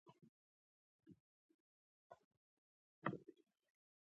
د سبا تشویش مه کوه!